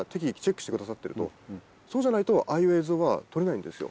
そうじゃないとああいう映像は撮れないんですよ。